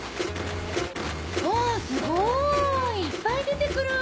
わぁすごいいっぱい出て来る。